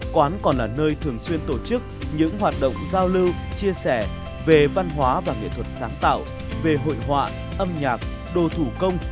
quán còn là nơi thường xuyên tổ chức những hoạt động giao lưu chia sẻ về văn hóa và nghệ thuật sáng tạo về hội họa âm nhạc đồ thủ công